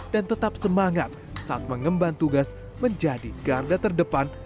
dan tetap semangat saat mengemban tugas menjadi ganda terdepan